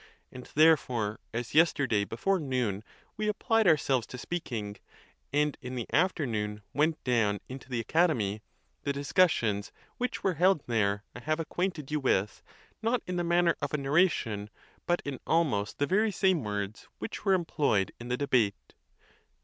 And therefore, as yesterday before noon we applied ourselves to speaking, and in the afternoon. went down into the Academy, the discussions which were held there I have acquainted you with, not in the manner of a narration, but in almost the very same words which were employed in the debate.